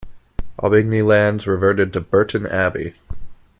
Aubigny lands reverted to Burton Abbey.